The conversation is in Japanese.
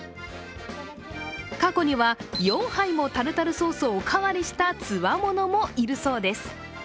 過去には４杯もタルタルソースをおかわりしたつわものもいるそうです。